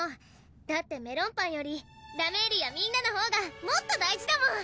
だってメロンパンよりラメールやみんなのほうがもっと大事だもん！